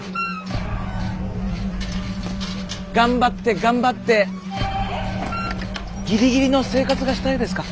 頑張って頑張ってギリギリの生活がしたいですか？